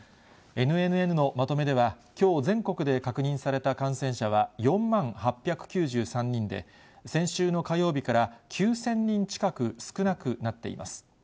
ＮＮＮのまとめでは、きょう、全国で確認された感染者は４万８９３人で、先週の火曜日から９０００人近く少なくなっています。